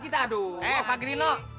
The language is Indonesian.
dah eh eh eh